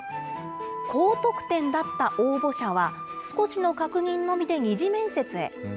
高得点だった応募者は、少しの確認のみで２次面接へ。